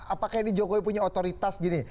apakah ini jokowi punya otoritas gini